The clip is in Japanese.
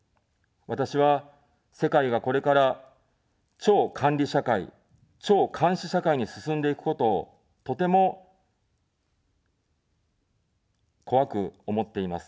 私は、世界が、これから超管理社会、超監視社会に進んでいくことをとても怖く思っています。